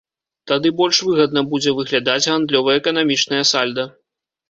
Тады больш выгадна будзе выглядаць гандлёва-эканамічнае сальда.